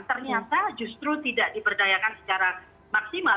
ternyata justru tidak diberdayakan secara maksimal